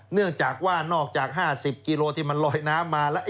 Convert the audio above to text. เนื่องจากว่านอกจาก๕๐กิโลที่มันลอยน้ำมาแล้ว